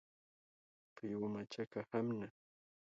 په یوه مچکه هم نه.